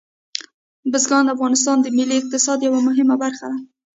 بزګان د افغانستان د ملي اقتصاد یوه مهمه برخه ده.